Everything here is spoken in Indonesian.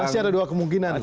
masih ada dua kemungkinan